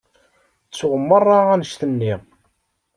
Ttuɣ merra annect-nni.